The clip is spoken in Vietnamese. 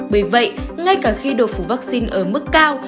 bởi vậy ngay cả khi độ phủ vaccine ở mức cao